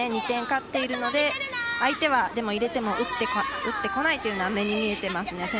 ２点、勝っているので相手は打ってこないというのは目に見えてますね。